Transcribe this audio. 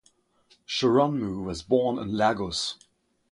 Shorunmu was born in Lagos.